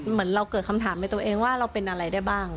เหมือนเราเกิดคำถามในตัวเองว่าเราเป็นอะไรได้บ้าง